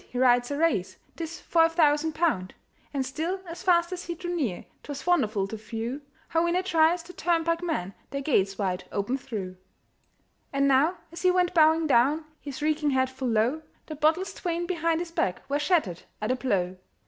he rides a race! 'Tis for a thousand pound!" And still as fast as he drew near, 'Twas wonderful to view How in a trice the turnpike men Their gates wide open threw. And now, as he went bowing down His reeking head full low, The bottles twain behind his back Were shattered at a blow.